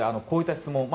こういった質問